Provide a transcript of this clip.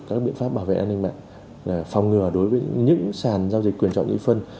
các biện pháp bảo vệ an ninh mạng phòng ngừa đối với những sàn giao dịch quyền chọn nhị phân